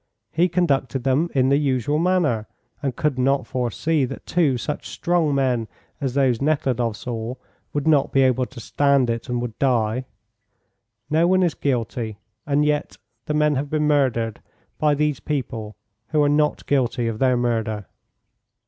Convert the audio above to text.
He conducted them in the usual manner, and could not foresee that two such strong men as those Nekhludoff saw would not be able to stand it and would die. No one is guilty, and yet the men have been murdered by these people who are not guilty of their murder.